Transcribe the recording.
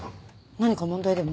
何か問題でも？